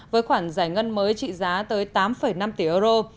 với khoản giải ngân mới trị giá tới tám năm tỷ euro